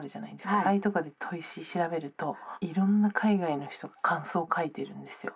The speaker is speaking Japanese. ああいうとこで砥石調べるといろんな海外の人が感想書いてるんですよ。